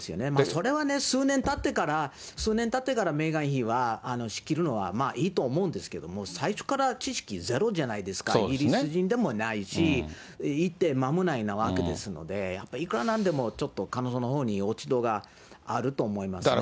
それはね、数年たってから、数年たってからメーガン妃は、仕切るのはいいと思うんですけども、最初から知識ゼロじゃないですか、イギリス人でもないし、いって間もないわけですので、やっぱりいくらなんでも彼女のほうに落ち度があると思いますね。